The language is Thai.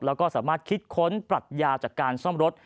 แล้วก็สามารถคิดค้นปรัชญาจากการซ่อมรถ